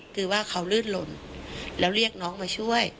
คือว่าเขาลื่นหล่นแล้วเรียกน้องมาช่วย